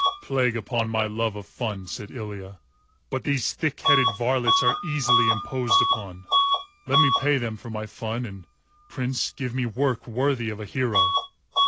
"Plague upon my love of fun," said Ilya, "but these thick headed varlets are easily imposed upon. Let me pay them for my fun and, Prince, give me work worthy of a hero."